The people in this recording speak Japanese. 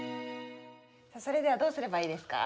それではどうすればいいですか？